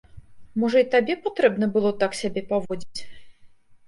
Можа, і табе патрэбна было так сябе паводзіць?